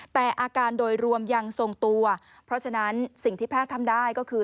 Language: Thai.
แต่อาการโดยรวมยังทรงตัวเพราะฉะนั้นสิ่งที่แพทย์ทำได้ก็คือ